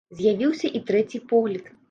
З'явіўся і трэці погляд.